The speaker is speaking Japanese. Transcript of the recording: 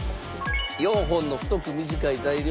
４本の太く短い材料に。